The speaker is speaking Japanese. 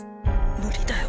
無理だよ